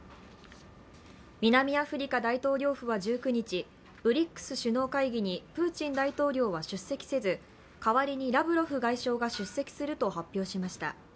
南アフリカ大統領府は１９日、ＢＲＩＣＳ首脳会議にプーチン大統領は出席せず代わりにラブロフ外相が出席すると発表しました。